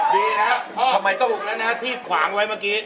ดีนะครับทำไมถูกแล้วนะครับที่ขวางไว้เมื่อกี้